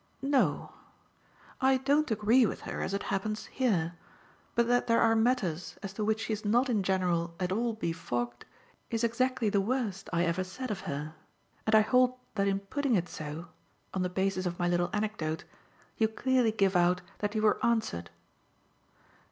"No. I don't agree with her, as it happens, here; but that there are matters as to which she's not in general at all befogged is exactly the worst I ever said of her. And I hold that in putting it so on the basis of my little anecdote you clearly give out that you're answered."